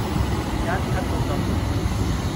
一匹布咁長